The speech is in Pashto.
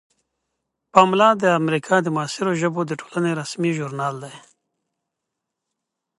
پملا د امریکا د معاصرو ژبو د ټولنې رسمي ژورنال دی.